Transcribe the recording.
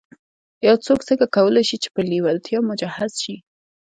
يو څوک څنګه کولای شي چې پر لېوالتیا مجهز شي.